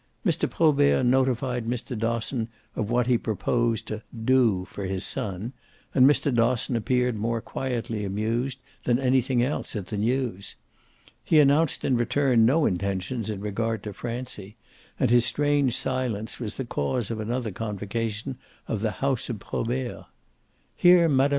Mr. Probert notified Mr. Dosson of what he proposed to "do" for his son, and Mr. Dosson appeared more quietly amused than anything else at the news. He announced in return no intentions in regard to Francie, and his strange silence was the cause of another convocation of the house of Probert. Here Mme.